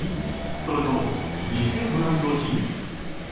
それとも偽ブランド品？